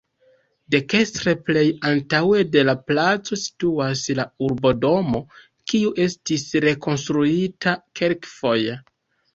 Dekstre plej antaŭe de la placo situas la Urbodomo, kiu estis rekonstruita kelkfoje.